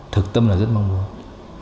thực tâm là rất mong muốn